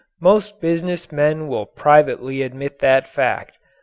Most business men will privately admit that fact.